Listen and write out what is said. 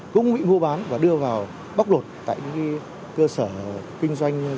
cũng bị mua bán và đưa vào bóc lột tại những cơ sở kinh doanh